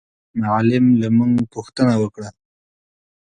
معلم له موږ پوښتنه وکړه.